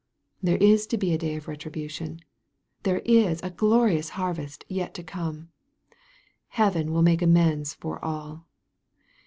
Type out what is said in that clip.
There is to be a day of retribution. There is a glorious harvest yet to come. Heaven will make amends for all.